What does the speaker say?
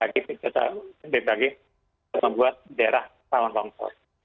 kita membuat daerah rawan longsor